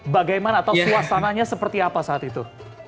bagaimana atau suasananya seperti apa saat itu